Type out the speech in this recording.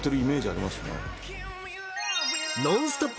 ［『ノンストップ！』